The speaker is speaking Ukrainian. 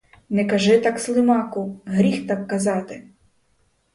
— Не кажи так, Слимаку, гріх так казати.